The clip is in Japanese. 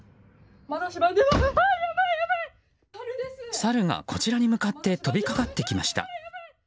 サルがこちらに向かって飛びかかってきました。